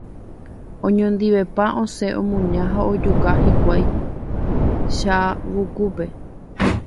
oñondivepa osẽ omuña ha ojuka hikuái Chavukúpe.